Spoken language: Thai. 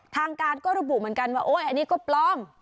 ทางการก็ระบุเหมือนกันว่าโอ๊ยอันนี้ก็ปลอม